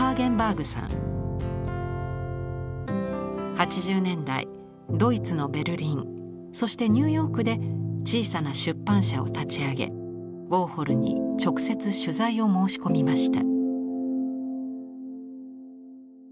８０年代ドイツのベルリンそしてニューヨークで小さな出版社を立ち上げウォーホルに直接取材を申し込みました。